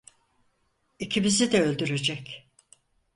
İkimizi de öldürecek.